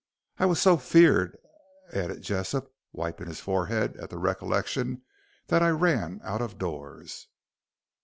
I was so feared," added Jessop, wiping his forehead at the recollection, "that I ran out of doors."